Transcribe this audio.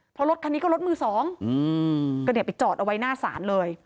เพราะรถคันนี้ก็รถมือสองก็เนี่ยไปจอดเอาไว้หน้าศาลเลย